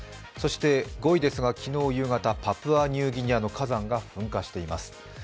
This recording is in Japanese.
そして５位、昨日夕方、パプアニューギニアの火山が噴火しています。